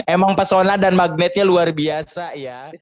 emang pesona dan magnetnya luar biasa ya